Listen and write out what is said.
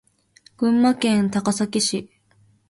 群馬県高崎市